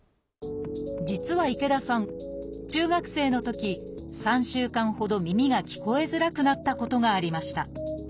実は池田さん中学生のとき３週間ほど耳が聞こえづらくなったことがありました。